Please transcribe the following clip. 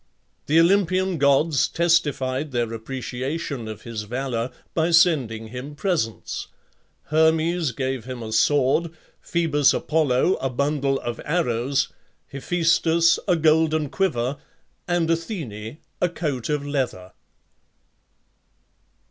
The Olympian gods testified their appreciation of his valour by sending him presents; Hermes gave him a sword, Phoebus Apollo a bundle of arrows, Hephæstus a golden quiver, and Athene a coat of leather.